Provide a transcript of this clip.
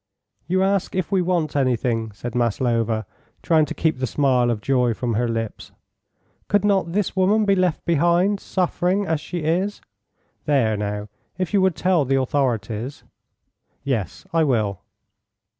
"You ask if we want anything," said Maslova, trying to keep the smile of joy from her lips; "could not this woman be left behind, suffering as she is? There, now, if you would tell the authorities." "Yes, I will."